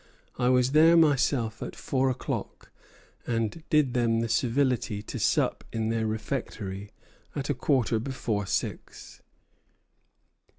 I was there myself at four o'clock, and did them the civility to sup in their refectory at a quarter before six."